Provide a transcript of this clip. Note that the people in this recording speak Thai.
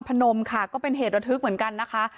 พนมค่ะก็เป็นเหตุระทึกเหมือนกันนะคะ